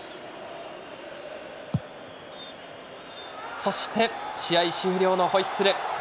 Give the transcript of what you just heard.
そして試合終了のホイッスル。